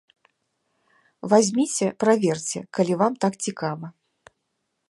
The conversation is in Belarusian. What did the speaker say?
Вазьміце праверце, калі вам так цікава.